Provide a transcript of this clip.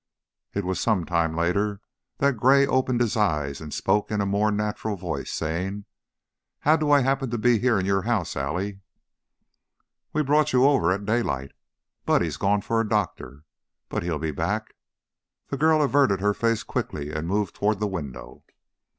It was some time later that Gray opened his eyes and spoke in a more natural voice, saying, "How do I happen to be here in your house, Allie?" "We brought you over at daylight. Buddy's gone for a doctor, but he'll be back." The girl averted her face quickly and moved toward the window.